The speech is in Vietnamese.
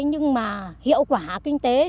nhưng mà hiệu quả kinh tế